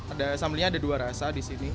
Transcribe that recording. ada sambelnya ada dua rasa disini